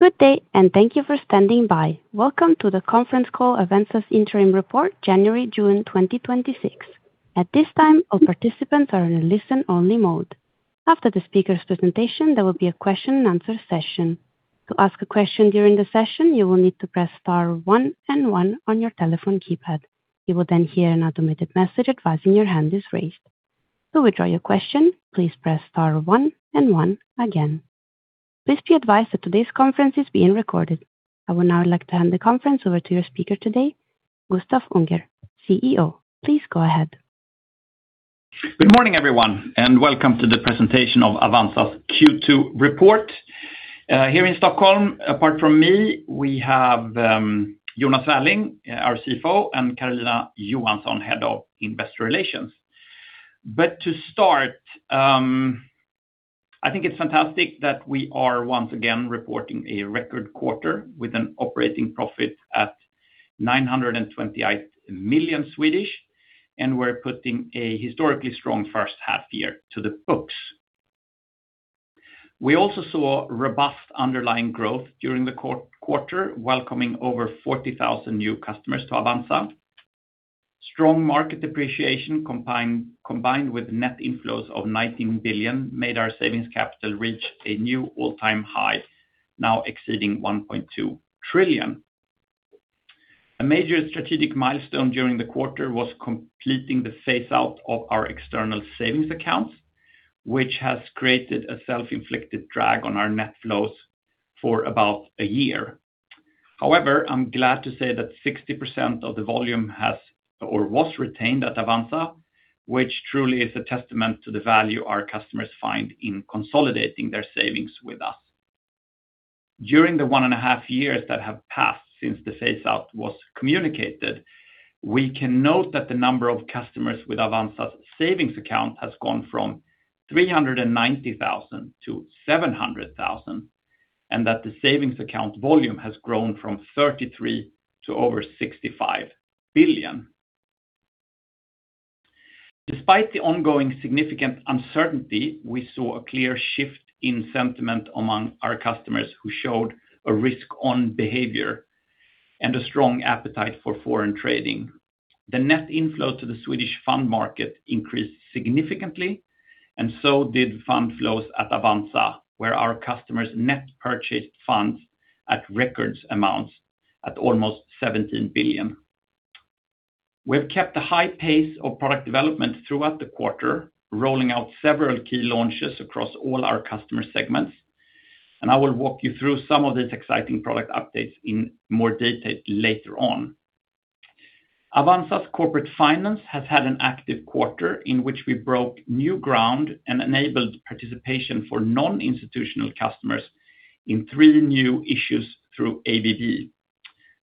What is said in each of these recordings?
Good day, thank you for standing by. Welcome to the conference call Avanza's Interim Report January, June 2026. At this time, all participants are in a listen only mode. After the speaker's presentation, there will be a question-and-answer session. To ask a question during the session, you will need to press star one and one on your telephone keypad. You will hear an automated message advising your hand is raised. To withdraw your question, please press star one and one again. Please be advised that today's conference is being recorded. I would now like to hand the conference over to your speaker today, Gustaf Unger, CEO. Please go ahead. Good morning, everyone, welcome to the presentation of Avanza's Q2 report. Here in Stockholm, apart from me, we have Jonas Svärling, our CFO, and Karolina Johansson, head of investor relations. To start, I think it's fantastic that we are once again reporting a record quarter with an operating profit at 928 million Swedish, and we're putting a historically strong first half year to the books. We also saw robust underlying growth during the quarter, welcoming over 40,000 new customers to Avanza. Strong market appreciation combined with net inflows of 19 billion made our savings capital reach a new all-time high, now exceeding 1.2 trillion. A major strategic milestone during the quarter was completing the phase out of our external savings accounts, which has created a self-inflicted drag on our net flows for about a year. I'm glad to say that 60% of the volume has or was retained at Avanza, which truly is a testament to the value our customers find in consolidating their savings with us. During the 1.5 years that have passed since the phase out was communicated, we can note that the number of customers with Avanza's savings account has gone from 390,000 to 700,000, and that the savings account volume has grown from 33 billion to over 65 billion. Despite the ongoing significant uncertainty, we saw a clear shift in sentiment among our customers who showed a risk on behavior and a strong appetite for foreign trading. The net inflow to the Swedish fund market increased significantly, and so did fund flows at Avanza, where our customers net purchased funds at records amounts at almost 17 billion. We have kept a high pace of product development throughout the quarter, rolling out several key launches across all our customer segments, and I will walk you through some of these exciting product updates in more detail later on. Avanza's corporate finance has had an active quarter in which we broke new ground and enabled participation for non-institutional customers in three new issues through ABB.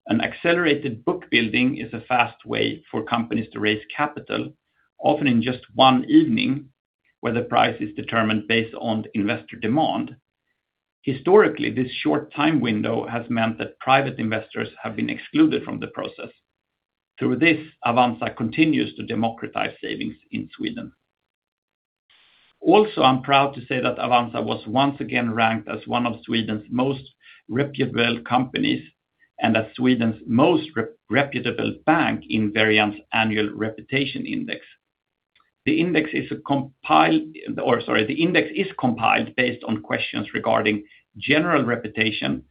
An accelerated book building is a fast way for companies to raise capital, often in just one evening, where the price is determined based on investor demand. Historically, this short time window has meant that private investors has been excluded from the process. Through this, Avanza continues to democratize savings in Sweden. I'm proud to say that Avanza was once again ranked as one of Sweden's most reputable companies and as Sweden's most reputable bank in Verian's annual reputation index. The index is compiled based on questions regarding general reputation,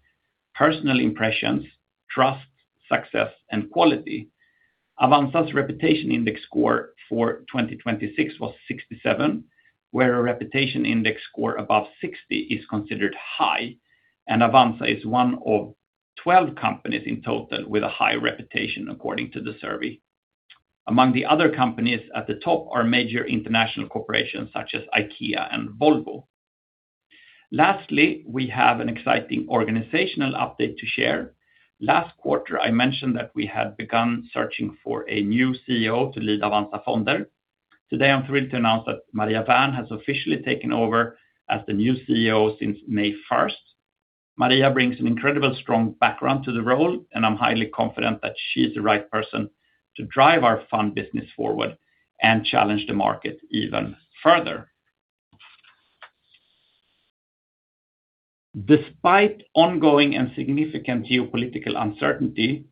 personal impressions, trust, success, and quality. Avanza's reputation index score for 2026 was 67, where a reputation index score above 60 is considered high, and Avanza is one of 12 companies in total with a high reputation according to the survey. Among the other companies at the top are major international corporations such as IKEA and Volvo. Lastly, we have an exciting organizational update to share. Last quarter, I mentioned that we had begun searching for a new CEO to lead Avanza Fonder. Today, I'm thrilled to announce that Maria Wärn has officially taken over as the new CEO since May 1st. Maria brings an incredibly strong background to the role, and I'm highly confident that she is the right person to drive our fund business forward and challenge the market even further. Despite ongoing and significant geopolitical uncertainty,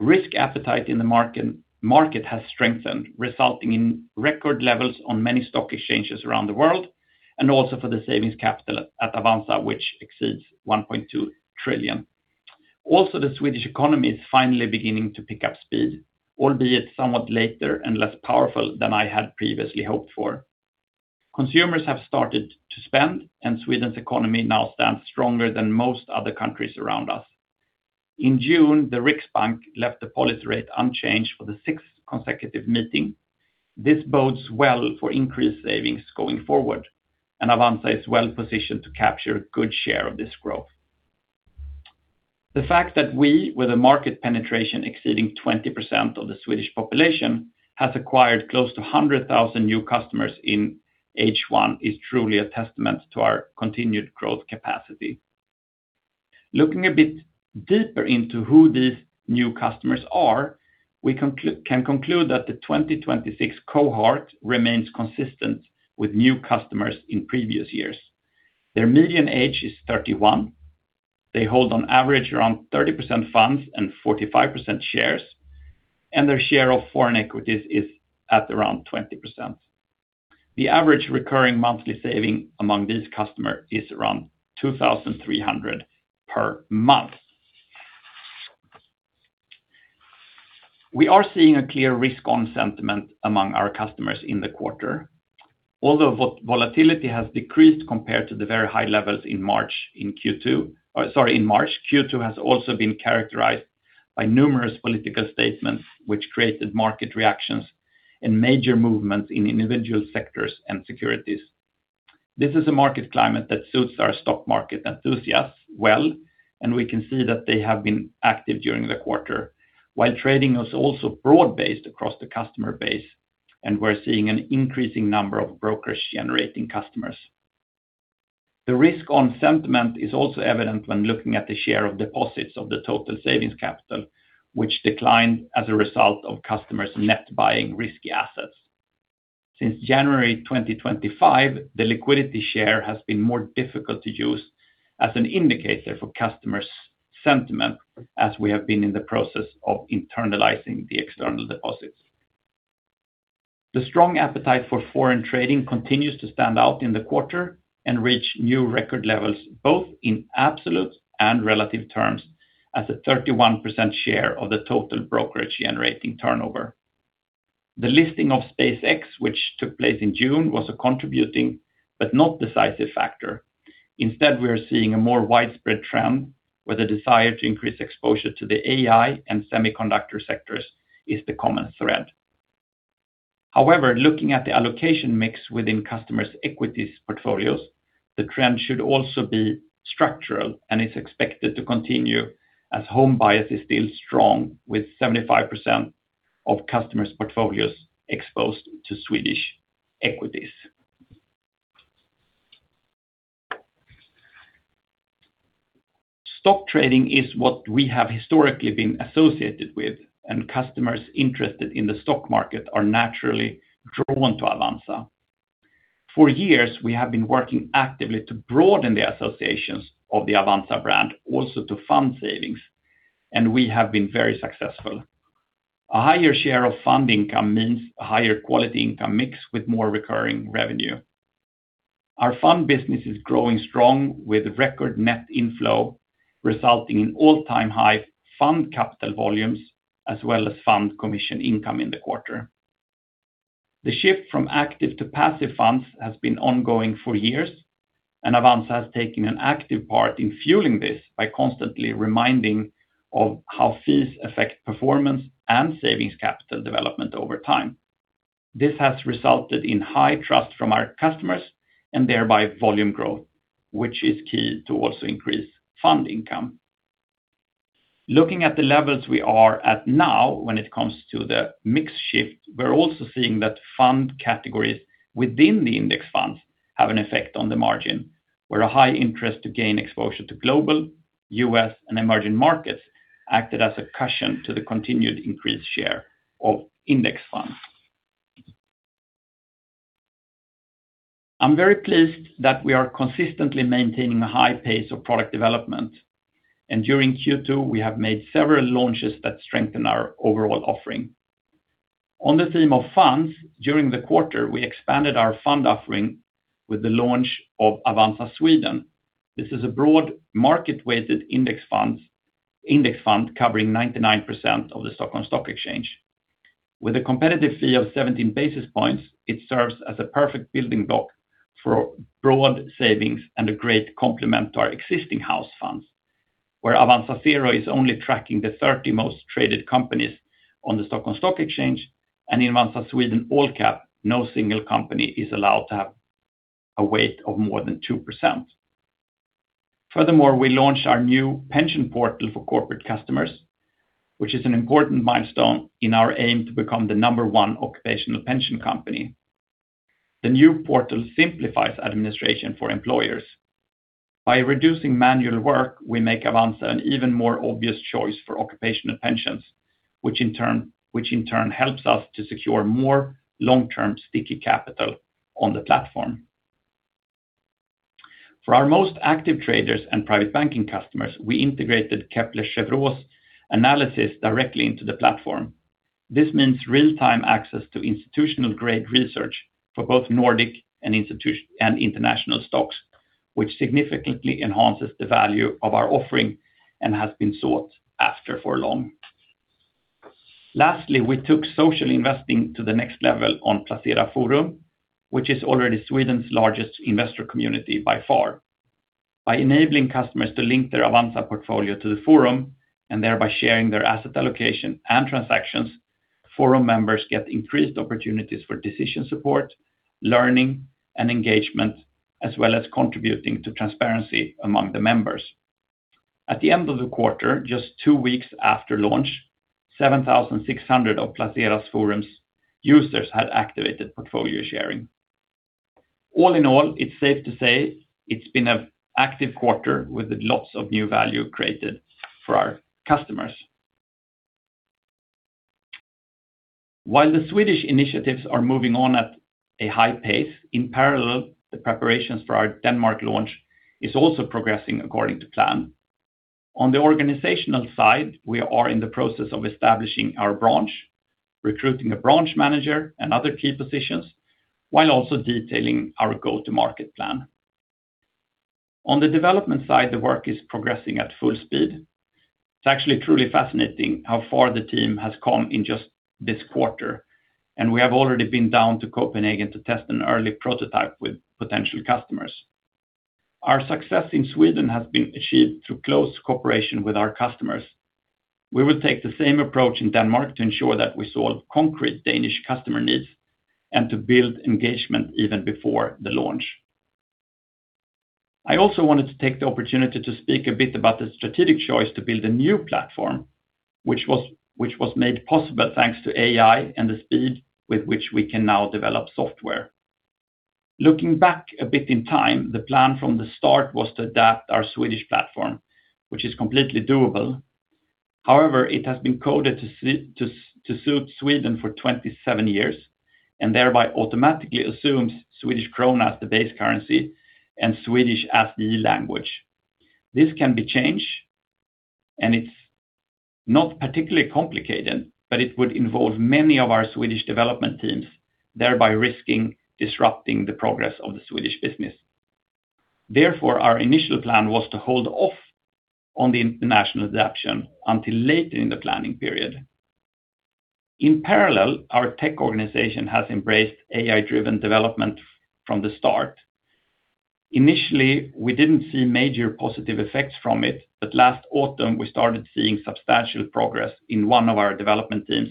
risk appetite in the market has strengthened, resulting in record levels on many stock exchanges around the world and also for the savings capital at Avanza, which exceeds 1.2 trillion. The Swedish economy is finally beginning to pick up speed, albeit somewhat later and less powerful than I had previously hoped for. Consumers have started to spend, Sweden's economy now stands stronger than most other countries around us. In June, the Riksbank left the policy rate unchanged for the sixth consecutive meeting. This bodes well for increased savings going forward, Avanza is well positioned to capture a good share of this growth. The fact that we, with a market penetration exceeding 20% of the Swedish population, has acquired close to 100,000 new customers in H1 is truly a testament to our continued growth capacity. Looking a bit deeper into who these new customers are, we can conclude that the 2026 cohort remains consistent with new customers in previous years. Their median age is 31. They hold on average around 30% funds and 45% shares. Their share of foreign equities is at around 20%. The average recurring monthly saving among these customers is around 2,300 per month. We are seeing a clear risk on sentiment among our customers in the quarter. Although volatility has decreased compared to the very high levels in March, Q2 has also been characterized by numerous political statements which created market reactions and major movements in individual sectors and securities. This is a market climate that suits our stock market enthusiasts well, we can see that they have been active during the quarter. While trading was also broad-based across the customer base, we're seeing an increasing number of brokerage-generating customers. The risk on sentiment is also evident when looking at the share of deposits of the total savings capital, which declined as a result of customers net buying risky assets. Since January 2025, the liquidity share has been more difficult to use as an indicator for customers' sentiment as we have been in the process of internalizing the external deposits. The strong appetite for foreign trading continues to stand out in the quarter and reach new record levels, both in absolute and relative terms, as a 31% share of the total brokerage generating turnover. The listing of SpaceX, which took place in June, was a contributing but not decisive factor. Instead, we are seeing a more widespread trend where the desire to increase exposure to the AI and semiconductor sectors is the common thread. However, looking at the allocation mix within customers' equities portfolios, the trend should also be structural and is expected to continue as home bias is still strong, with 75% of customers' portfolios exposed to Swedish equities. Stock trading is what we have historically been associated with, and customers interested in the stock market are naturally drawn to Avanza. For years, we have been working actively to broaden the associations of the Avanza brand also to fund savings, and we have been very successful. A higher share of fund income means a higher quality income mix with more recurring revenue. Our fund business is growing strong with record net inflow, resulting in all-time high fund capital volumes, as well as fund commission income in the quarter. The shift from active to passive funds has been ongoing for years. Avanza has taken an active part in fueling this by constantly reminding of how fees affect performance and savings capital development over time. This has resulted in high trust from our customers and thereby volume growth, which is key to also increase fund income. Looking at the levels we are at now when it comes to the mix shift, we're also seeing that fund categories within the index funds have an effect on the margin where a high interest to gain exposure to global, U.S., and emerging markets acted as a cushion to the continued increased share of index funds. I'm very pleased that we are consistently maintaining a high pace of product development. During Q2 we have made several launches that strengthen our overall offering. On the theme of funds, during the quarter, we expanded our fund offering with the launch of Avanza Sweden. This is a broad market-weighted index fund covering 99% of the Stockholm Stock Exchange. With a competitive fee of 17 basis points, it serves as a perfect building block for broad savings and a great complement to our existing house funds, where Avanza Zero is only tracking the 30 most traded companies on the Stockholm Stock Exchange, and in Avanza Sweden All Cap, no single company is allowed to have a weight of more than 2%. We launched our new pension portal for corporate customers, which is an important milestone in our aim to become the number one occupational pension company. The new portal simplifies administration for employers. By reducing manual work, we make Avanza an even more obvious choice for occupational pensions, which in turn helps us to secure more long-term sticky capital on the platform. For our most active traders and private banking customers, we integrated Kepler Cheuvreux analysis directly into the platform. This means real-time access to institutional-grade research for both Nordic and international stocks, which significantly enhances the value of our offering and has been sought after for long. We took social investing to the next level on Placera Forum, which is already Sweden's largest investor community by far. By enabling customers to link their Avanza portfolio to the forum and thereby sharing their asset allocation and transactions, forum members get increased opportunities for decision support, learning, and engagement, as well as contributing to transparency among the members. At the end of the quarter, just two weeks after launch, 7,600 of Placera Forum's users had activated portfolio sharing. All in all, it's safe to say it's been an active quarter with lots of new value created for our customers. While the Swedish initiatives are moving on at a high pace, in parallel, the preparations for our Denmark launch is also progressing according to plan. On the organizational side, we are in the process of establishing our branch, recruiting a branch manager and other key positions, while also detailing our go-to-market plan. On the development side, the work is progressing at full speed. It's actually truly fascinating how far the team has come in just this quarter, and we have already been down to Copenhagen to test an early prototype with potential customers. Our success in Sweden has been achieved through close cooperation with our customers. We will take the same approach in Denmark to ensure that we solve concrete Danish customer needs and to build engagement even before the launch. I also wanted to take the opportunity to speak a bit about the strategic choice to build a new platform, which was made possible thanks to AI and the speed with which we can now develop software. Looking back a bit in time, the plan from the start was to adapt our Swedish platform, which is completely doable. However, it has been coded to suit Sweden for 27 years, and thereby automatically assumes Swedish krona as the base currency and Swedish as the language. This can be changed, and it's not particularly complicated, but it would involve many of our Swedish development teams, thereby risking disrupting the progress of the Swedish business. Therefore, our initial plan was to hold off on the international adaption until later in the planning period. In parallel, our tech organization has embraced AI-driven development from the start. Initially, we didn't see major positive effects from it, but last autumn, we started seeing substantial progress in one of our development teams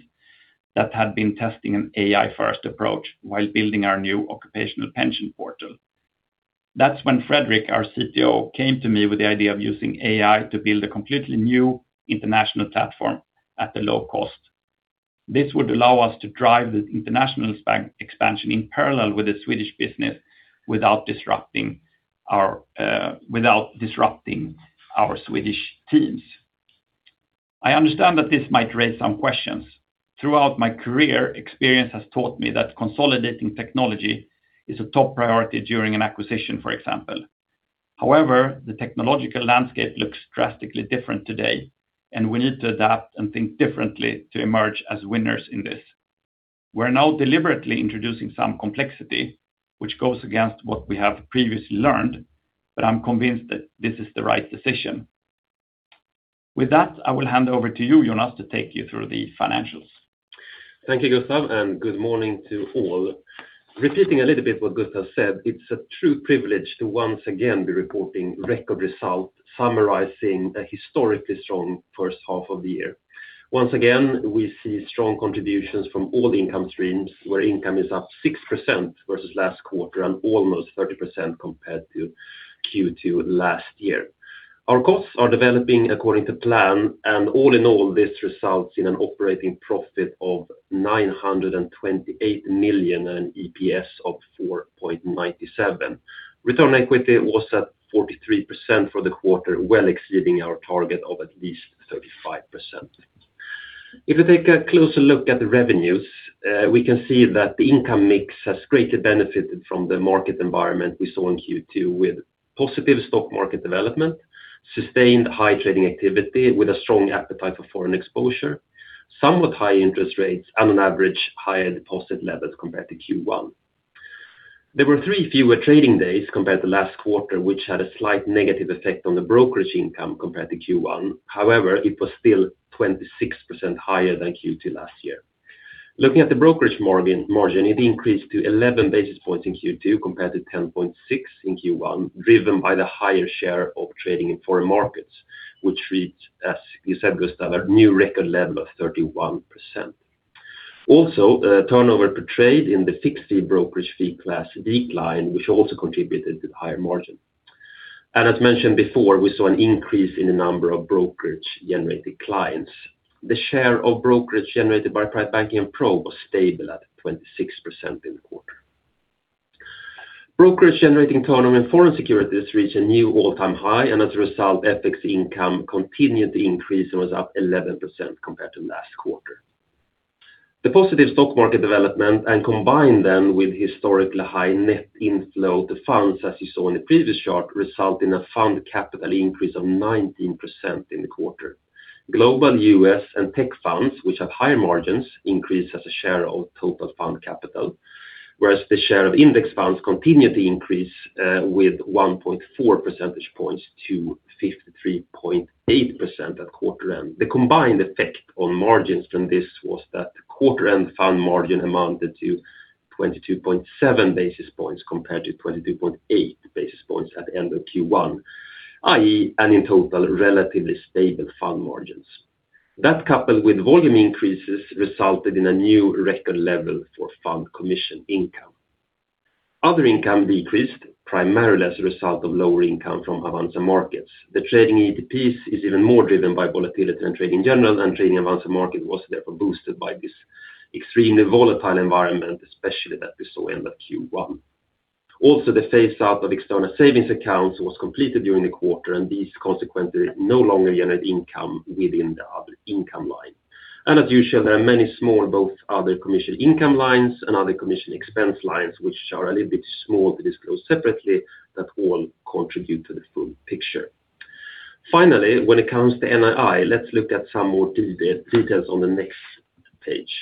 that had been testing an AI-first approach while building our new occupational pension portal. That's when Fredrik, our CTO, came to me with the idea of using AI to build a completely new international platform at a low cost. This would allow us to drive the international expansion in parallel with the Swedish business without disrupting our Swedish teams. I understand that this might raise some questions. Throughout my career, experience has taught me that consolidating technology is a top priority during an acquisition, for example. However, the technological landscape looks drastically different today, and we need to adapt and think differently to emerge as winners in this. We're now deliberately introducing some complexity, which goes against what we have previously learned, but I'm convinced that this is the right decision. With that, I will hand over to you, Jonas, to take you through the financials. Thank you, Gustaf, and good morning to all. Repeating a little bit what Gustaf said, it's a true privilege to once again be reporting record results summarizing a historically strong first half of the year. Once again, we see strong contributions from all income streams, where income is up 6% versus last quarter and almost 30% compared to Q2 last year. Our costs are developing according to plan, and all in all, this results in an operating profit of 928 million and EPS of 4.97. Return on equity was at 43% for the quarter, well exceeding our target of at least 35%. If you take a closer look at the revenues, we can see that the income mix has greatly benefited from the market environment we saw in Q2 with positive stock market development, sustained high trading activity with a strong appetite for foreign exposure, somewhat high interest rates, and on average, higher deposit levels compared to Q1. There were three fewer trading days compared to last quarter, which had a slight negative effect on the brokerage income compared to Q1. It was still 26% higher than Q2 last year. Looking at the brokerage margin, it increased to 11 basis points in Q2 compared to 10.6 in Q1, driven by the higher share of trading in foreign markets, which reached, as you said, Gustaf, a new record level of 31%. Turnover per trade in the fixed brokerage fee class declined, which also contributed to the higher margin. As mentioned before, we saw an increase in the number of brokerage-generated clients. The share of brokerage generated by private banking and pro was stable at 26% in the quarter. Brokerage-generating turnover in foreign securities reached a new all-time high. As a result, FX income continued to increase and was up 11% compared to last quarter. The positive stock market development combined then with historically high net inflow to funds, as you saw in the previous chart, result in a fund capital increase of 19% in the quarter. Global U.S. and tech funds, which have higher margins, increase as a share of total fund capital, whereas the share of index funds continued to increase with 1.4 percentage points to 53.8% at quarter end. The combined effect on margins from this was that the quarter-end fund margin amounted to 22.7 basis points compared to 22.8 basis points at the end of Q1, i.e., in total, relatively stable fund margins. That coupled with volume increases resulted in a new record level for fund commission income. Other income decreased primarily as a result of lower income from Avanza Markets. The trading ETPs is even more driven by volatility and trading in general than trading Avanza Markets was therefore boosted by this extremely volatile environment, especially that we saw end of Q1. The phase out of external savings accounts was completed during the quarter, and these consequently no longer generate income within the other income line. As usual, there are many small, both other commission income lines and other commission expense lines, which are a little bit small to disclose separately, that all contribute to the full picture. Finally, when it comes to NII, let's look at some more details on the next page.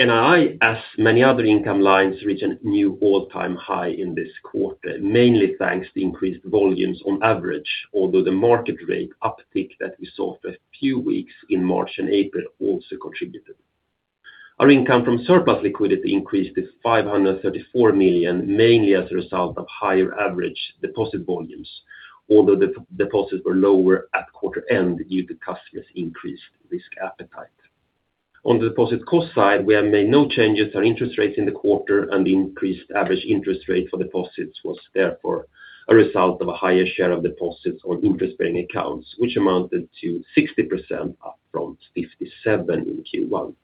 NII, as many other income lines, reach a new all-time high in this quarter, mainly thanks to increased volumes on average, although the market rate uptick that we saw for a few weeks in March and April also contributed. Our income from surplus liquidity increased to 534 million, mainly as a result of higher average deposit volumes. Although deposits were lower at quarter end due to customers' increased risk appetite. On the deposit cost side, we have made no changes to our interest rates in the quarter, the increased average interest rate for deposits was therefore a result of a higher share of deposits on interest-bearing accounts, which amounted to 60%, up from 57% in Q1.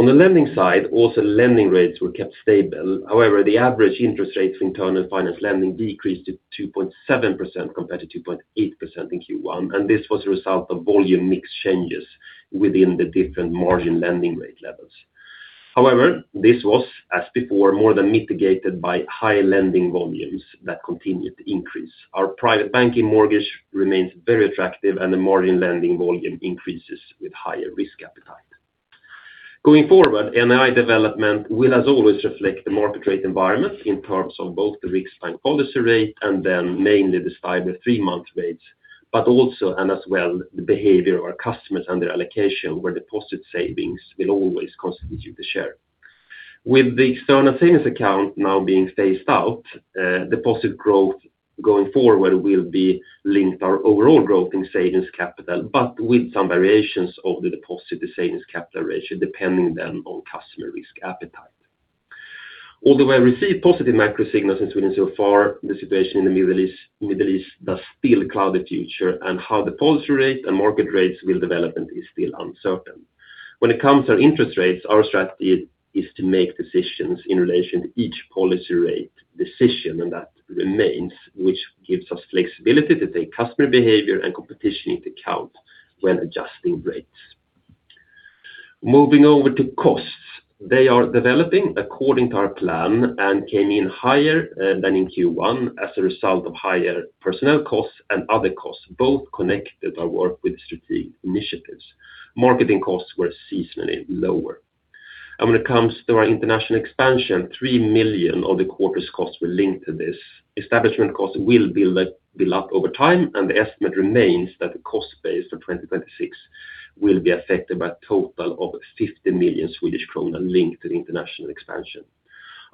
On the lending side, also lending rates were kept stable. The average interest rate for internal finance lending decreased to 2.7% compared to 2.8% in Q1, this was a result of volume mix changes within the different margin lending rate levels. This was, as before, more than mitigated by higher lending volumes that continued to increase. Our private banking mortgage remains very attractive, the margin lending volume increases with higher risk appetite. Going forward, NII development will as always reflect the market rate environment in terms of both the Riksbank policy rate then mainly the STIBOR three-month rates, as well the behavior of our customers and their allocation where deposit savings will always constitute the share. With the external savings account now being phased out, deposit growth going forward will be linked to our overall growth in savings capital, with some variations of the deposit to savings capital ratio, depending then on customer risk appetite. Although I received positive macro signals in Sweden so far, the situation in the Middle East does still cloud the future, how the policy rate and market rates will develop is still uncertain. When it comes to interest rates, our strategy is to make decisions in relation to each policy rate decision, that remains, which gives us flexibility to take customer behavior and competition into account when adjusting rates. Moving over to costs, they are developing according to our plan came in higher than in Q1 as a result of higher personnel costs and other costs, both connected to our work with strategic initiatives. Marketing costs were seasonally lower. When it comes to our international expansion, 3 million of the quarter's costs were linked to this. Establishment costs will be locked over time, the estimate remains that the cost base for 2026 will be affected by a total of 50 million Swedish kronor linked to the international expansion.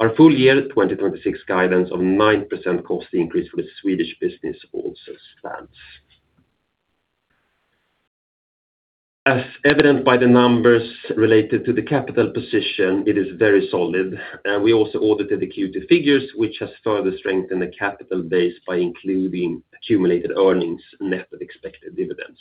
Our full year 2026 guidance of 9% cost increase for the Swedish business also stands. As evident by the numbers related to the capital position, it is very solid. We also audited the Q2 figures, which has further strengthened the capital base by including accumulated earnings net of expected dividends.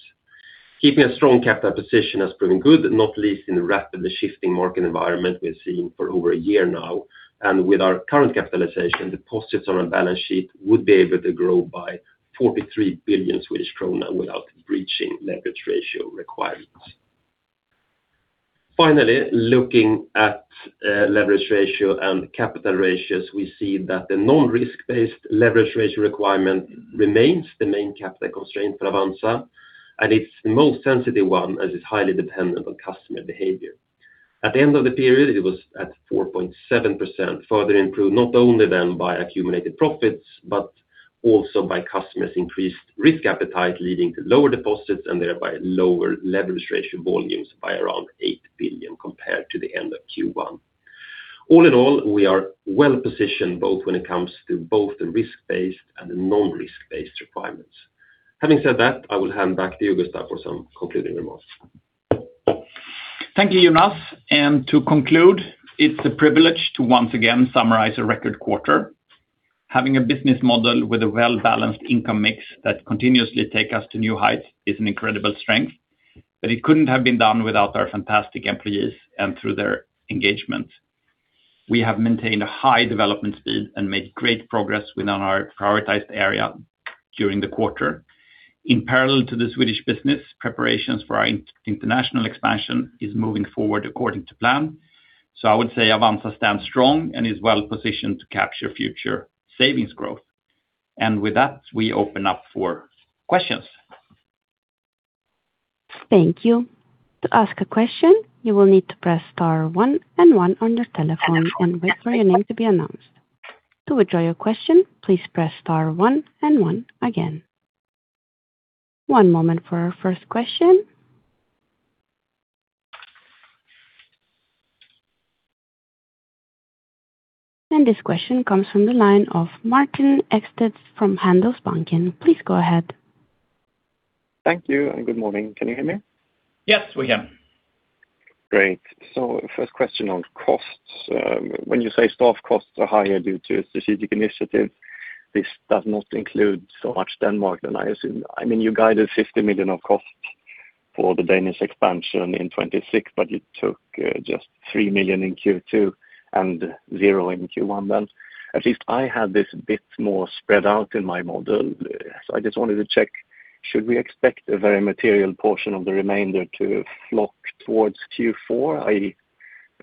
Keeping a strong capital position has proven good, not least in the rapidly shifting market environment we've seen for over a year now. With our current capitalization, deposits on our balance sheet would be able to grow by 43 billion Swedish krona without breaching leverage ratio requirements. Finally, looking at leverage ratio and capital ratios, we see that the non-risk-based leverage ratio requirement remains the main capital constraint for Avanza, and it's the most sensitive one as it's highly dependent on customer behavior. At the end of the period, it was at 4.7%, further improved not only then by accumulated profits, but also by customers' increased risk appetite, leading to lower deposits and thereby lower leverage ratio volumes by around 8 billion compared to the end of Q1. All in all, we are well-positioned both when it comes to both the risk-based and the non-risk-based requirements. Having said that, I will hand back to Gustaf for some concluding remarks. Thank you, Jonas. To conclude, it's a privilege to once again summarize a record quarter. Having a business model with a well-balanced income mix that continuously takes us to new heights is an incredible strength. It couldn't have been done without our fantastic employees and through their engagement. We have maintained a high development speed and made great progress within our prioritized area during the quarter. In parallel to the Swedish business, preparations for our international expansion is moving forward according to plan. I would say Avanza stands strong and is well-positioned to capture future savings growth. With that, we open up for questions. Thank you. To ask a question, you will need to press star one and one on your telephone and wait for your name to be announced. To withdraw your question, please press star one and one again. One moment for our first question. This question comes from the line of Martin Ekstedt from Handelsbanken. Please go ahead. Thank you. Good morning. Can you hear me? Yes, we can. Great. First question on costs. When you say staff costs are higher due to a strategic initiative, this does not include so much Denmark, I assume. You guided 50 million of costs for the Danish expansion in 2026, but it took just 3 million in Q2 and zero in Q1. At least I had this bit more spread out in my model. I just wanted to check, should we expect a very material portion of the remainder to flock towards Q4, i.e.,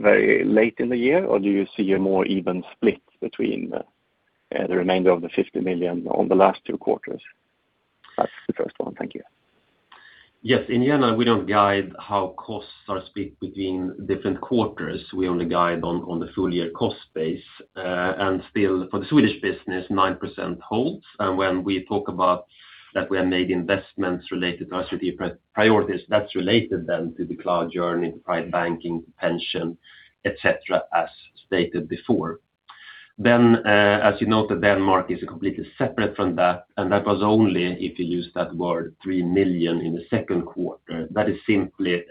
very late in the year, or do you see a more even split between the remainder of the 50 million on the last two quarters? That is the first one. Thank you. Yes. In the end, we do not guide how costs are split between different quarters. We only guide on the full-year cost base. Still, for the Swedish business, 9% holds. When we talk about that we have made investments related to our strategy priorities, that is related to the cloud journey to private banking, pension, et cetera, as stated before. As you noted, Denmark is completely separate from that, and that was only, if you use that word, 3 million in the second quarter. That is simply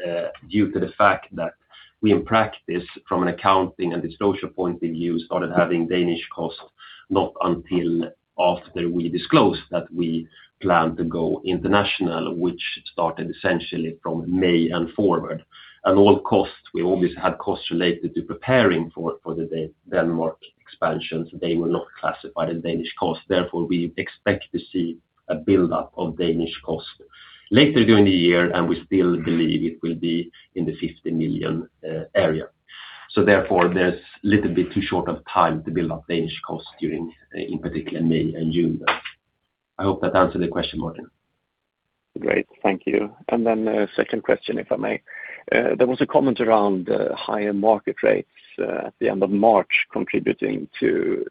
due to the fact that we, in practice from an accounting and disclosure point of view, started having Danish costs not until after we disclosed that we planned to go international, which started essentially from May and forward. All costs, we always had costs related to preparing for the Denmark expansions. They were not classified as Danish costs, therefore we expect to see a buildup of Danish costs later during the year, and we still believe it will be in the 50 million area. Therefore, there's little bit too short of time to build up Danish costs during, in particular May and June. I hope that answered the question, Martin. Great. Thank you. Then second question, if I may. There was a comment around higher market rates at the end of March contributing to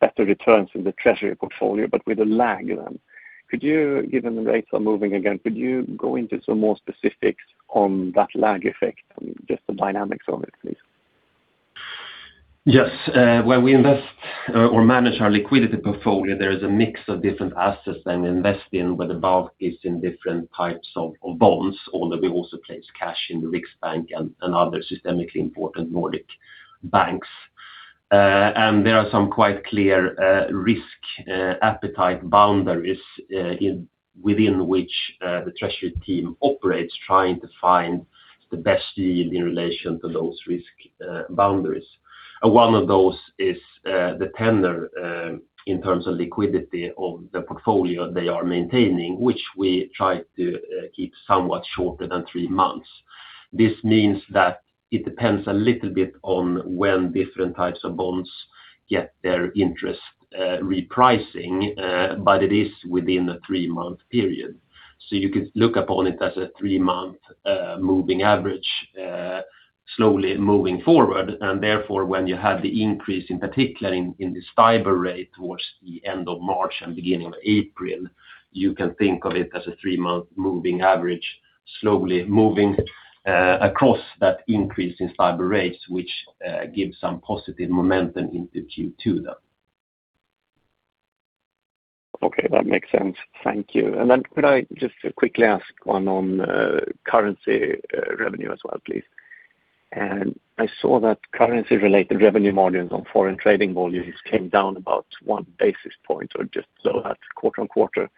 better returns in the treasury portfolio, but with a lag then. Given the rates are moving again, could you go into some more specifics on that lag effect? I mean, just the dynamics of it, please. Yes. When we invest or manage our liquidity portfolio, there is a mix of different assets that we invest in, where the bulk is in different types of bonds, although we also place cash in the Riksbank and other systemically important Nordic banks. There are some quite clear risk appetite boundaries within which the treasury team operates, trying to find the best yield in relation to those risk boundaries. One of those is the tenor in terms of liquidity of the portfolio they are maintaining, which we try to keep somewhat shorter than three months. This means that it depends a little bit on when different types of bonds get their interest repricing, but it is within a three-month period. You could look upon it as a three-month moving average slowly moving forward. Therefore, when you had the increase, in particular in this STIBOR rate towards the end of March and beginning of April, you can think of it as a three-month moving average slowly moving across that increase in STIBOR rates, which gives some positive momentum into Q2 then. Okay. That makes sense. Thank you. Could I just quickly ask one on currency revenue as well, please? I saw that currency-related revenue margins on foreign trading volumes came down about one basis point or just so that quarter-on-quarter.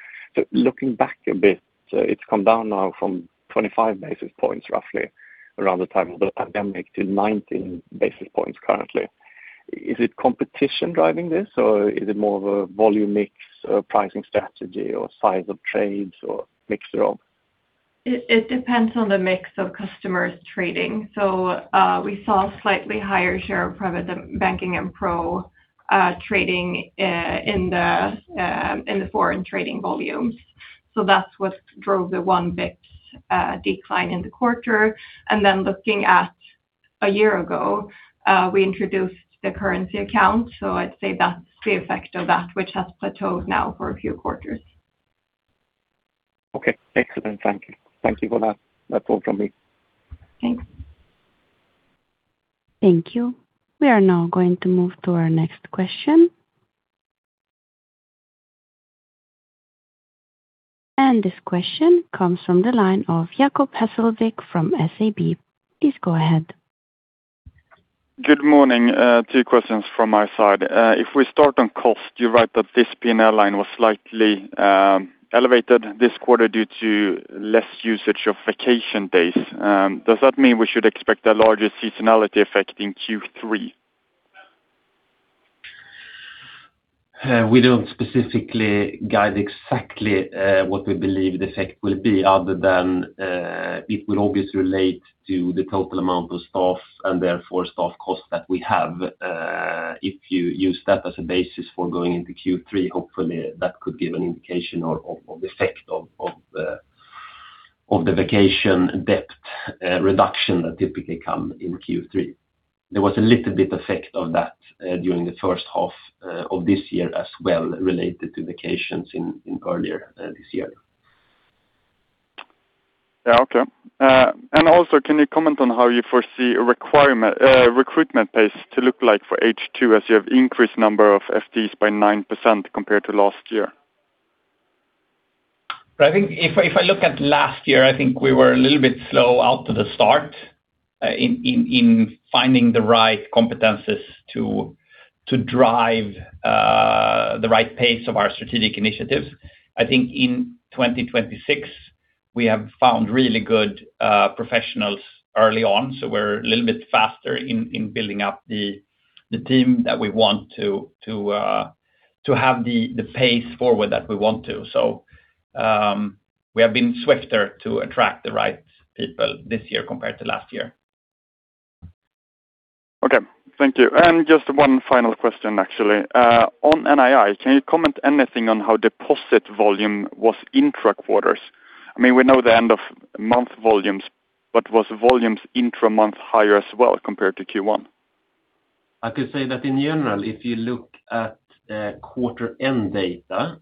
Looking back a bit, it's come down now from 25 basis points roughly around the time of the pandemic to 19 basis points currently. Is it competition driving this, or is it more of a volume mix pricing strategy or size of trades or mixture of? It depends on the mix of customers trading. We saw a slightly higher share of private banking and pro trading in the foreign trading volumes. That's what drove the one big decline in the quarter. Looking at a year ago, we introduced the currency account. I'd say that's the effect of that which has plateaued now for a few quarters. Okay. Excellent. Thank you. Thank you for that. That's all from me. Thanks. Thank you. We are now going to move to our next question. This question comes from the line of Jacob Hesslevik from SEB. Please go ahead. Good morning. Two questions from my side. If we start on cost, you're right that this P&L line was slightly elevated this quarter due to less usage of vacation days. Does that mean we should expect a larger seasonality effect in Q3? We don't specifically guide exactly what we believe the effect will be other than it will obviously relate to the total amount of staff and therefore staff costs that we have. If you use that as a basis for going into Q3, hopefully that could give an indication of the effect of the vacation debt reduction that typically come in Q3. There was a little bit effect of that during the first half of this year as well related to vacations in earlier this year. Yeah. Okay. Also, can you comment on how you foresee recruitment pace to look like for H2 as you have increased number of FTEs by 9% compared to last year? If I look at last year, I think we were a little bit slow out to the start in finding the right competencies to drive the right pace of our strategic initiatives. I think in 2026, we have found really good professionals early on, we're a little bit faster in building up the team that we want to have the pace forward that we want to. We have been swifter to attract the right people this year compared to last year. Okay. Thank you. Just one final question, actually. On NII, can you comment anything on how deposit volume was intra quarters? We know the end-of-month volumes, was volumes intra-month higher as well compared to Q1? I could say that in general, if you look at quarter-end data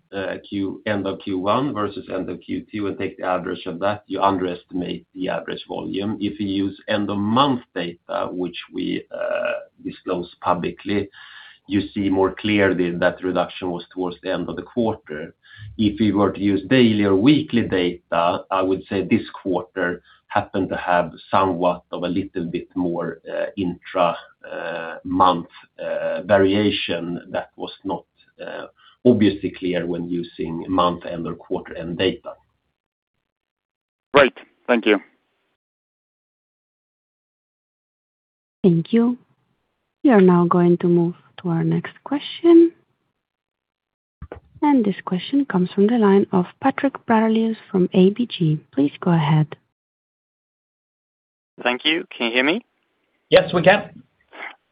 end of Q1 versus end of Q2 and take the average of that, you underestimate the average volume. If you use end-of-month data, which we disclose publicly, you see more clearly that reduction was towards the end of the quarter. If we were to use daily or weekly data, I would say this quarter happened to have somewhat of a little bit more intra-month variation that was not obviously clear when using month-end or quarter-end data. Great. Thank you. Thank you. We are now going to move to our next question. This question comes from the line of Patrik Brattelius from ABG. Please go ahead. Thank you. Can you hear me? Yes, we can.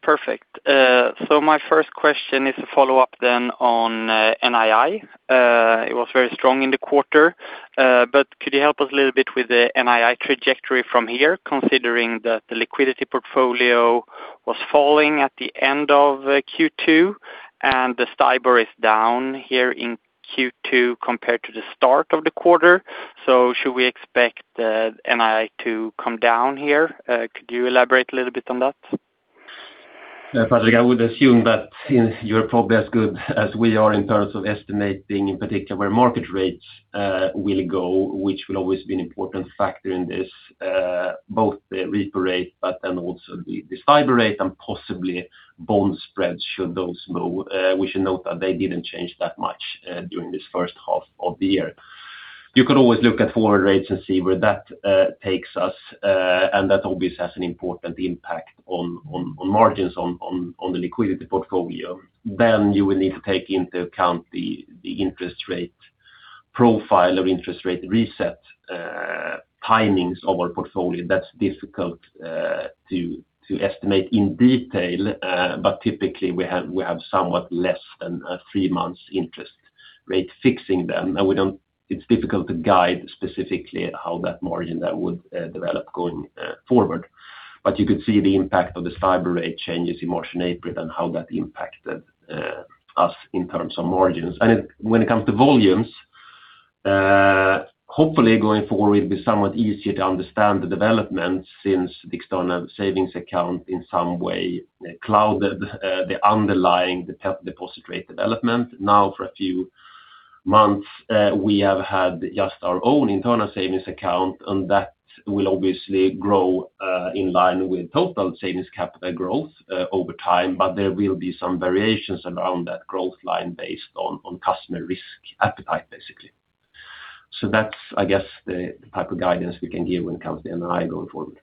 Perfect. My first question is a follow-up on NII. It was very strong in the quarter. Could you help us a little bit with the NII trajectory from here, considering that the liquidity portfolio was falling at the end of Q2, and the STIBOR is down here in Q2 compared to the start of the quarter. Should we expect the NII to come down here? Could you elaborate a little bit on that? Yeah, Patrik, I would assume that you're probably as good as we are in terms of estimating, in particular, where market rates will go, which will always be an important factor in this, both the repo rate, then also the STIBOR rate and possibly bond spreads should those move. We should note that they didn't change that much during this first half of the year. You could always look at forward rates and see where that takes us. That obviously has an important impact on margins on the liquidity portfolio. You will need to take into account the interest rate profile of interest rate reset timings of our portfolio. That's difficult to estimate in detail. Typically, we have somewhat less than a three months interest rate fixing them. It's difficult to guide specifically how that margin would develop going forward. You could see the impact of the STIBOR rate changes in March and April and how that impacted us in terms of margins. When it comes to volumes, hopefully going forward, it'll be somewhat easier to understand the development since the external savings account in some way clouded the underlying deposit rate development. For a few months, we have had just our own internal savings account, and that will obviously grow in line with total savings capital growth over time. There will be some variations around that growth line based on customer risk appetite, basically. That's, I guess, the type of guidance we can give when it comes to NII going forward.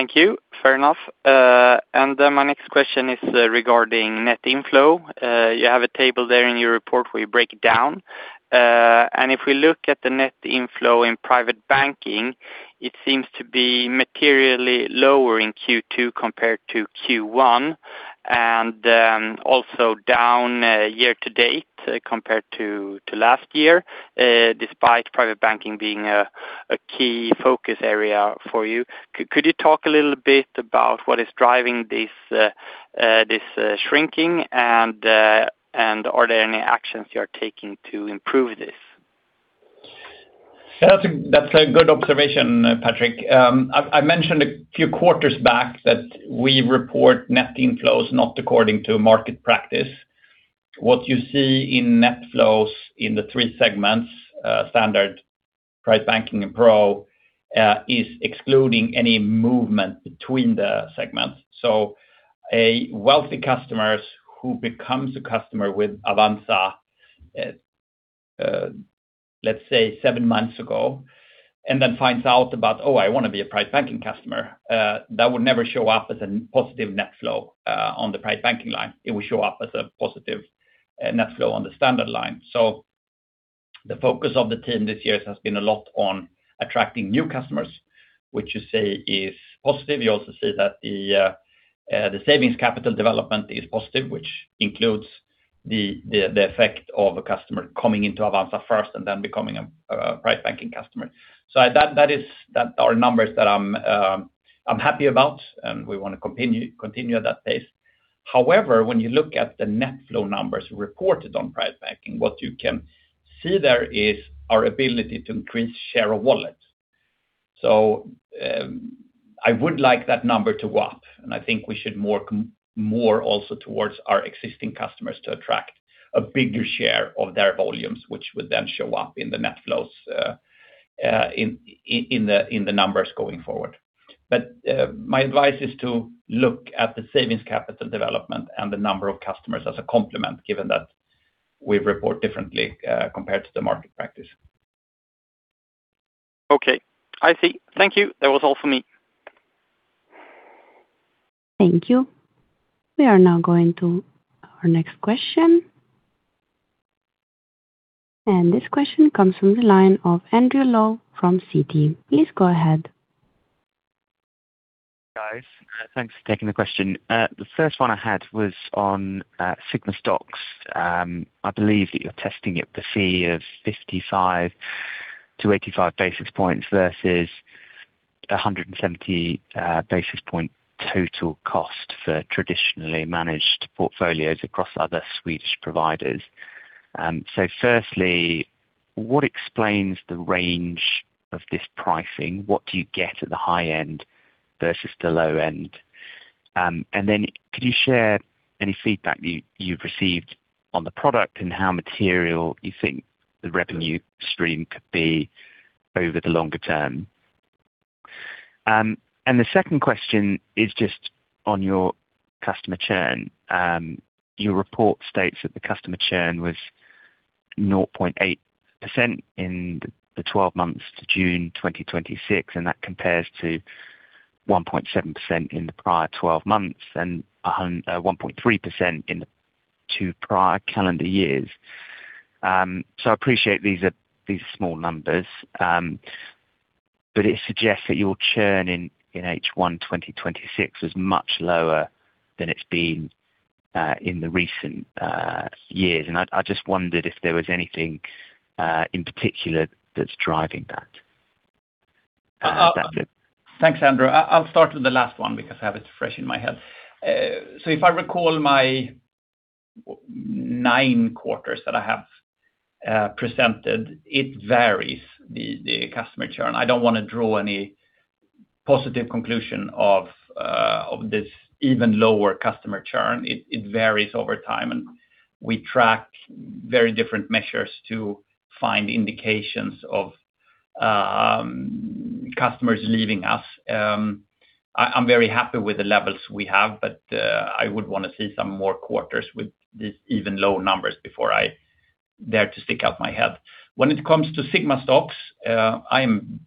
Thank you. Fair enough. My next question is regarding net inflow. You have a table there in your report where you break it down. If we look at the net inflow in private banking, it seems to be materially lower in Q2 compared to Q1, and also down year-to-date compared to last year, despite private banking being a key focus area for you. Could you talk a little bit about what is driving this shrinking, and are there any actions you're taking to improve this? That's a good observation, Patrik. I mentioned a few quarters back that we report net inflows not according to market practice. What you see in net flows in the three segments, Standard, Private Banking, and Pro is excluding any movement between the segments. A wealthy customers who becomes a customer with Avanza let's say seven months ago and then finds out about, oh, I want to be a private banking customer, that would never show up as a positive net flow on the private banking line. It will show up as a positive net flow on the standard line. The focus of the team this year has been a lot on attracting new customers, which you say is positive. You also say that the savings capital development is positive, which includes the effect of a customer coming into Avanza first and then becoming a private banking customer. That our numbers that I'm happy about, we want to continue at that pace. However, when you look at the net flow numbers reported on private banking, what you can see there is our ability to increase share of wallet. I would like that number to up. I think we should more also towards our existing customers to attract a bigger share of their volumes, which would then show up in the net flows in the numbers going forward. My advice is to look at the savings capital development and the number of customers as a complement, given that we report differently compared to the market practice. Okay. I see. Thank you. That was all for me. Thank you. We are now going to our next question. This question comes from the line of Andrew Lowe from Citi. Please go ahead. Guys, thanks for taking the question. The first one I had was on Sigmastocks. I believe that you are testing it the fee of 55 basis points-85 basis points versus 170 basis point total cost for traditionally managed portfolios across other Swedish providers. Firstly, what explains the range of this pricing? What do you get at the high end versus the low end? Then could you share any feedback that you have received on the product and how material you think the revenue stream could be over the longer term? The second question is just on your customer churn. Your report states that the customer churn was 0.8% in the 12 months to June 2026, and that compares to 1.7% in the prior 12 months and 1.3% in the two prior calendar years. I appreciate these are small numbers, but it suggests that your churn in H1 2026 was much lower than it's been in the recent years. I just wondered if there was anything, in particular, that's driving that. Thanks, Andrew. I'll start with the last one because I have it fresh in my head. If I recall my nine quarters that I have presented, it varies the customer churn. I don't want to draw any positive conclusion of this even lower customer churn. It varies over time, and we track very different measures to find indications of customers leaving us. I'm very happy with the levels we have, but I would want to see some more quarters with these even low numbers before I dare to stick out my head. When it comes to Sigmastocks, I am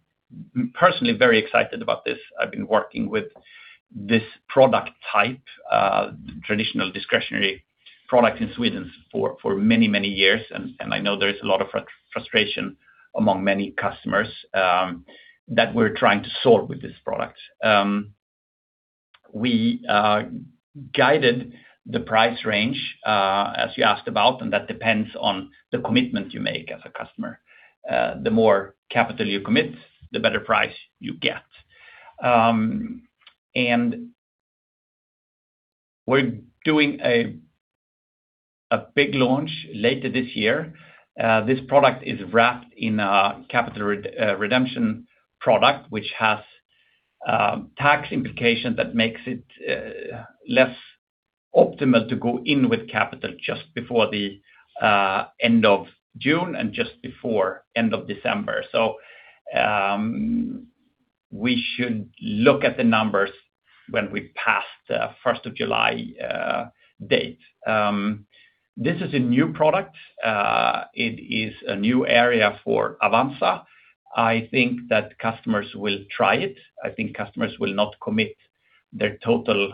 personally very excited about this. I've been working with this product type, traditional discretionary product in Sweden for many, many years. I know there is a lot of frustration among many customers that we're trying to solve with this product. We guided the price range as you asked about, that depends on the commitment you make as a customer. The more capital you commit, the better price you get. We're doing a big launch later this year. This product is wrapped in a capital redemption product, which has tax implication that makes it less optimal to go in with capital just before the end of June and just before end of December. We should look at the numbers when we passed 1st of July date. This is a new product. It is a new area for Avanza. I think that customers will try it. I think customers will not commit their total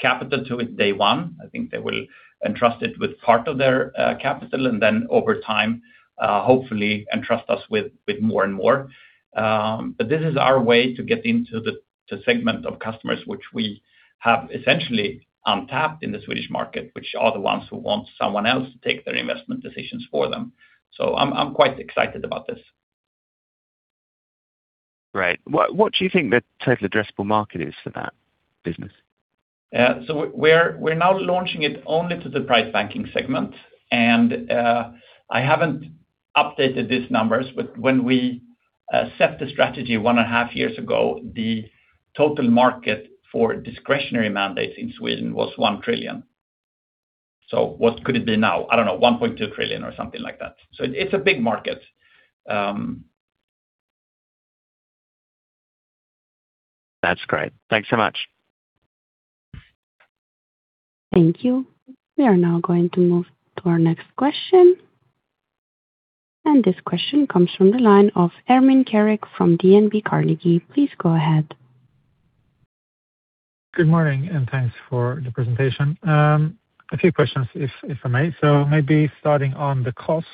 capital to it day one. I think they will entrust it with part of their capital, and then over time hopefully entrust us with more and more. This is our way to get into the segment of customers which we have essentially untapped in the Swedish market, which are the ones who want someone else to take their investment decisions for them. I'm quite excited about this. Right. What do you think the total addressable market is for that business? We're now launching it only to the private banking segment. I haven't updated these numbers, but when we set the strategy 1.5 years ago, the total market for discretionary mandates in Sweden was 1 trillion. What could it be now? I don't know, 1.2 trillion or something like that. It's a big market. That's great. Thanks so much. Thank you. We are now going to move to our next question. This question comes from the line of Ermin Keric from DNB Carnegie. Please go ahead. Good morning, thanks for the presentation. A few questions, if I may. Maybe starting on the cost.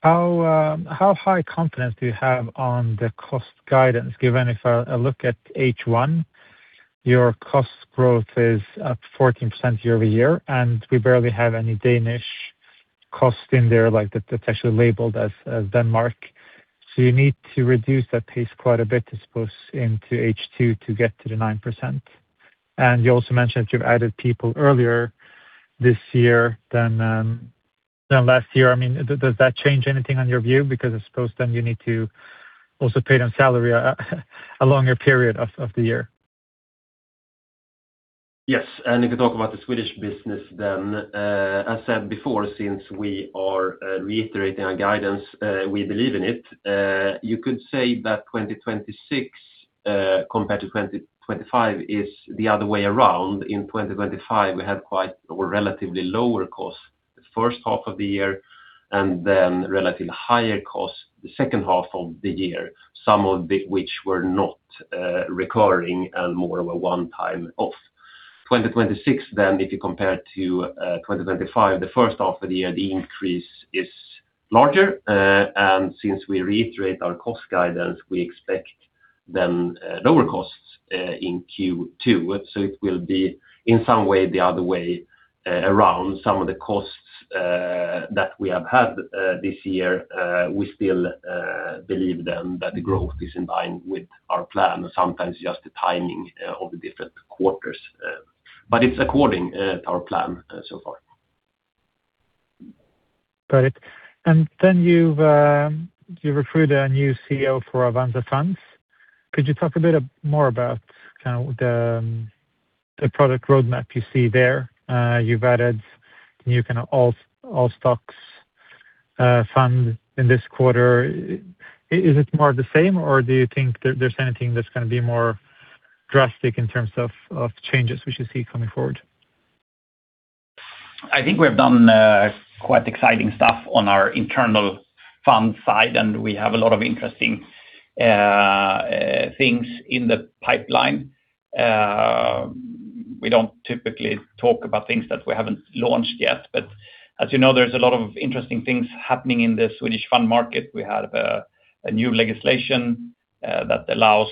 How high confidence do you have on the cost guidance, given if I look at H1, your cost growth is up 14% year-over-year, and we barely have any Danish cost in there like that's actually labeled as Denmark. You need to reduce that pace quite a bit, I suppose, into H2 to get to the 9%. You also mentioned that you've added people earlier this year than last year. Does that change anything on your view? I suppose then you need to also pay them salary a longer period of the year. Yes, you can talk about the Swedish business then. As said before, since we are reiterating our guidance, we believe in it. You could say that 2026 compared to 2025 is the other way around. In 2025, we had quite relatively lower costs the first half of the year, and then relatively higher costs the second half of the year, some of which were not recurring and more of a one-time off. 2026 then, if you compare to 2025, the first half of the year, the increase is larger. Since we reiterate our cost guidance, we expect then lower costs in Q2. It will be in some way, the other way around. Some of the costs that we have had this year, we still believe then that the growth is in line with our plan, and sometimes just the timing of the different quarters. It's according our plan so far. Got it. You've recruited a new CEO for Avanza Fonder. Could you talk a bit more about the product roadmap you see there? You've added new kind of all stocks fund in this quarter. Is it more of the same, or do you think there's anything that's going to be more drastic in terms of changes we should see coming forward? I think we've done quite exciting stuff on our internal fund side, and we have a lot of interesting things in the pipeline. We don't typically talk about things that we haven't launched yet. As you know, there's a lot of interesting things happening in the Swedish fund market. We have a new legislation that allows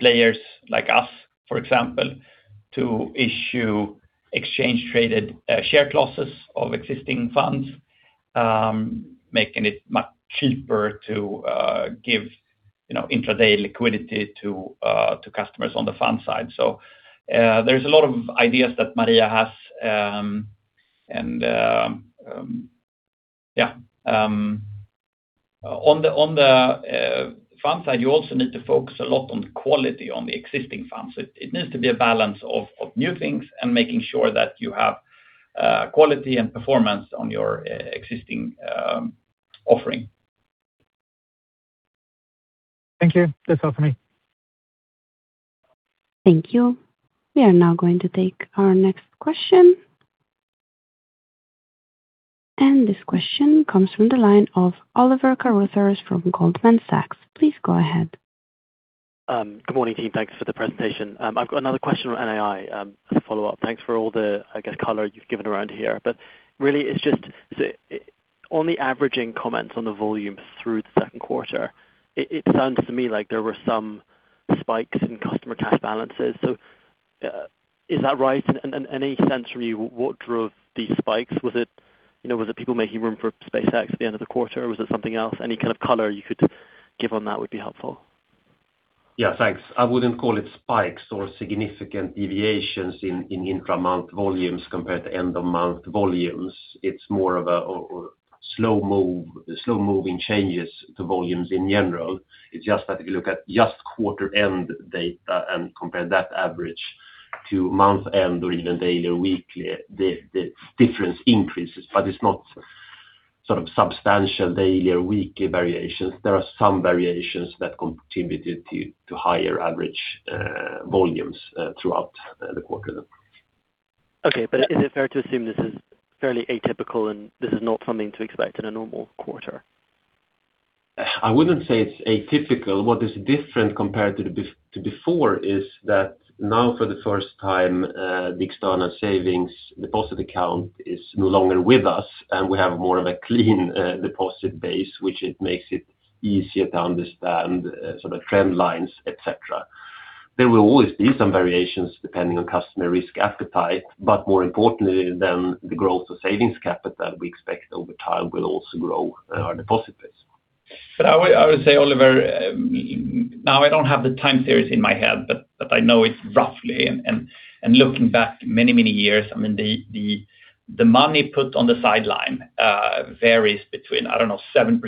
players like us, for example, to issue exchange traded share classes of existing funds, making it much cheaper to give intraday liquidity to customers on the fund side. There's a lot of ideas that Maria has. On the front side, you also need to focus a lot on the quality on the existing funds. It needs to be a balance of new things and making sure that you have quality and performance on your existing offering. Thank you. That's all for me. Thank you. We are now going to take our next question. This question comes from the line of Oliver Carruthers from Goldman Sachs. Please go ahead. Good morning, team. Thanks for the presentation. I've got another question on NII as a follow-up. Thanks for all the, I guess, color you've given around here, really it's just on the averaging comments on the volumes through the second quarter, it sounds to me like there were some spikes in customer cash balances. Is that right? Any sense from you what drove these spikes? Was it people making room for SpaceX at the end of the quarter? Was it something else? Any kind of color you could give on that would be helpful. Yeah, thanks. I wouldn't call it spikes or significant deviations in intra month volumes compared to end of month volumes. It's more of a slow moving changes to volumes in general. It's just that if you look at just quarter end data and compare that average to month end or even daily or weekly, the difference increases. It's not substantial daily or weekly variations. There are some variations that contributed to higher average volumes throughout the quarter. Okay. Is it fair to assume this is fairly atypical and this is not something to expect in a normal quarter? I wouldn't say it's atypical. What is different compared to before is that now for the first time, the external savings deposit account is no longer with us, and we have more of a clean deposit base, which it makes it easier to understand trend lines, et cetera. There will always be some variations depending on customer risk appetite, but more importantly than the growth of savings capital we expect over time will also grow our deposit base. I would say, Oliver, now I don't have the time series in my head, but I know it roughly and looking back many years, the money put on the sideline varies between, I don't know, 7%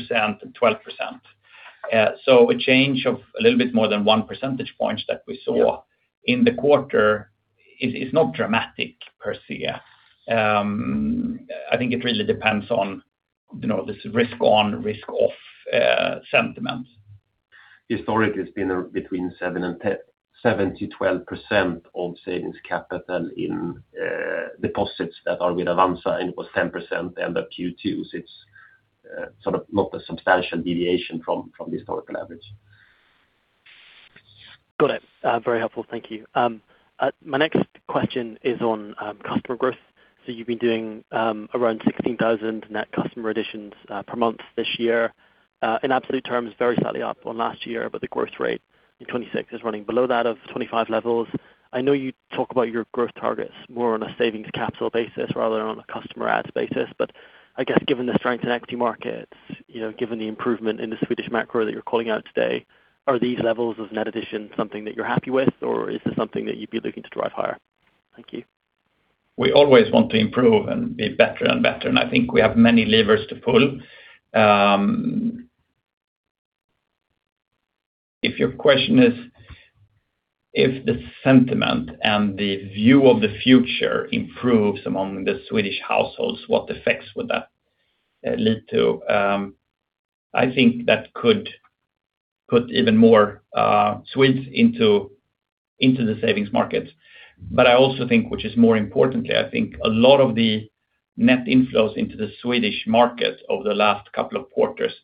and 12%. A change of a little bit more than one percentage point that we saw in the quarter is not dramatic per se. I think it really depends on this risk on risk off sentiment. Historically, it's been between 7%-12% of savings capital in deposits that are with Avanza, and it was 10% end of Q2. It's not a substantial deviation from historical average. Got it. Very helpful. Thank you. My next question is on customer growth. You've been doing around 16,000 net customer additions per month this year. In absolute terms, very slightly up on last year, but the growth rate in 2026 is running below that of 2025 levels. I know you talk about your growth targets more on a savings capital basis rather on a customer adds basis. I guess given the strength in equity markets, given the improvement in the Swedish macro that you're calling out today, are these levels of net addition something that you're happy with or is this something that you'd be looking to drive higher? Thank you. We always want to improve and be better and better, I think we have many levers to pull. If your question is if the sentiment and the view of the future improves among the Swedish households, what effects would that lead to? I think that could put even more Swedes into the savings markets. I also think, which is more importantly, I think a lot of the net inflows into the Swedish markets over the last couple of quarters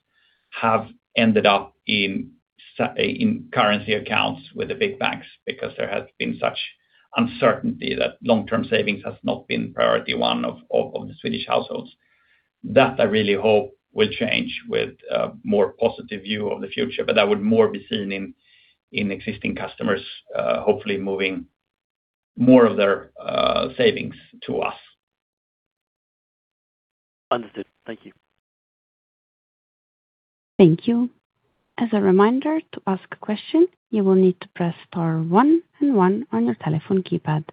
have ended up in currency accounts with the big banks because there has been such uncertainty that long-term savings has not been priority one of the Swedish households. That I really hope will change with a more positive view of the future, that would more be seen in existing customers, hopefully moving more of their savings to us. Understood. Thank you. Thank you. As a reminder, to ask a question, you will need to press star one and one on your telephone keypad.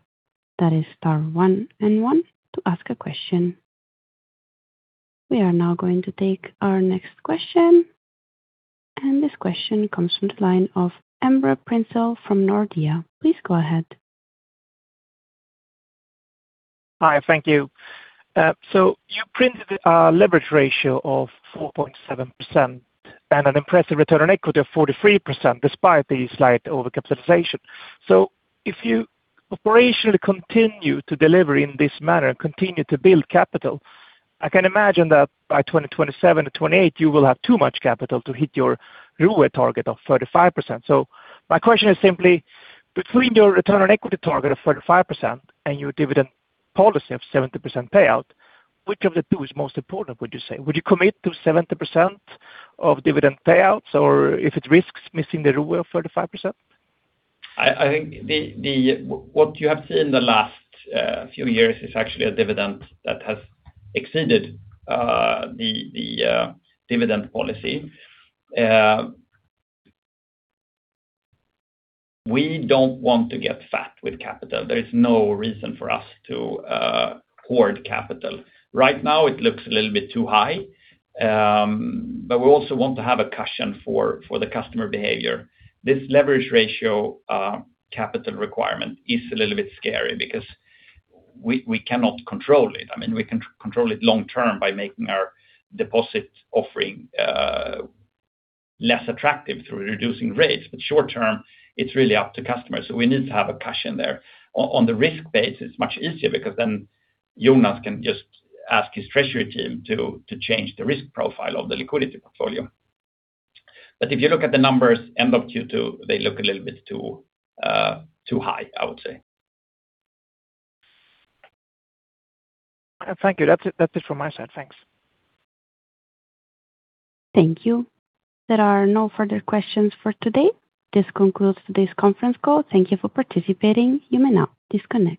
That is star one and one to ask a question. We are now going to take our next question, and this question comes from the line of Emre Prinzell from Nordea. Please go ahead. Hi, thank you. You printed a leverage ratio of 4.7% and an impressive return on equity of 43%, despite the slight overcapitalization. If you operationally continue to deliver in this manner and continue to build capital, I can imagine that by 2027 or 2028 you will have too much capital to hit your ROE target of 35%. My question is simply between your return on equity target of 35% and your dividend policy of 70% payout, which of the two is most important, would you say? Would you commit to 70% of dividend payouts or if it risks missing the ROE of 35%? I think what you have seen the last few years is actually a dividend that has exceeded the dividend policy. We don't want to get fat with capital. There is no reason for us to hoard capital. Right now it looks a little bit too high. We also want to have a cushion for the customer behavior. This leverage ratio capital requirement is a little bit scary because we cannot control it. We can control it long term by making our deposit offering less attractive through reducing rates, but short term, it's really up to customers, so we need to have a cushion there. On the risk base, it's much easier because then Jonas can just ask his treasury team to change the risk profile of the liquidity portfolio. If you look at the numbers end of Q2, they look a little bit too high, I would say. Thank you. That's it from my side. Thanks. Thank you. There are no further questions for today. This concludes today's conference call. Thank you for participating. You may now disconnect.